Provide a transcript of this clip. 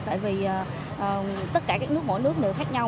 tại vì tất cả các nước mỗi nước đều khác nhau